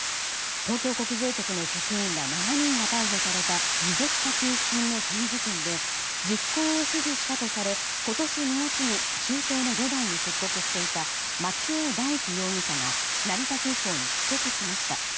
東京国税局の職員ら７人が逮捕された持続化給付金の詐欺事件で実行を指示したとされ今年２月に中東のドバイに出国していた松江大樹容疑者が成田空港に帰国しました。